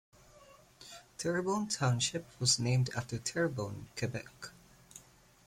Terrebonne Township was named after Terrebonne, Quebec.